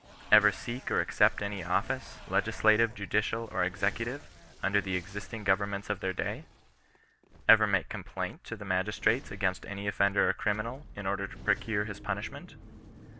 Ever seek or accept any office, legislative, judicial, or executive, under the existing governments 3£ 42 CHRISTIAN KOK RESISTANOE. of their day ? Ever make complaint to the magistrates against any oifender or criminal, in order to procure his punishment